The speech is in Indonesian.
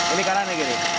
ini kanannya kiri